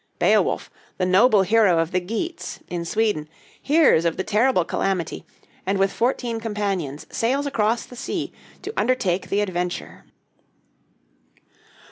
Beowulf, the noble hero of the Geats, in Sweden, hears of the terrible calamity, and with fourteen companions sails across the sea to undertake the adventure.